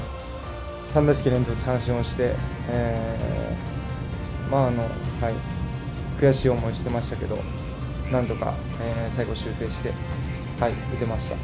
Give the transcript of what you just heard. ３打席連続三振して、悔しい思いしてましたけど、なんとか最後、修正して、打てました。